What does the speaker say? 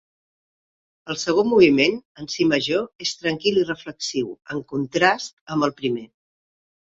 El segon moviment, en si major, és tranquil i reflexiu, en contrast amb el primer.